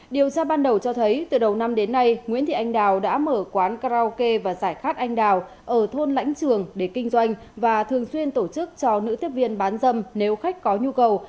điều tra ban đầu cho thấy từ đầu năm đến nay nguyễn thị anh đào đã mở quán karaoke và giải khát anh đào ở thôn lãnh trường để kinh doanh và thường xuyên tổ chức cho nữ tiếp viên bán dâm nếu khách có nhu cầu